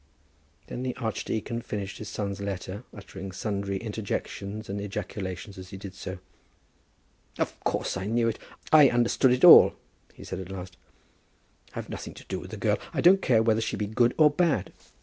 Then the archdeacon finished his son's letter, uttering sundry interjections and ejaculations as he did so. "Of course; I knew it. I understood it all," he said at last. "I've nothing to do with the girl. I don't care whether she be good or bad."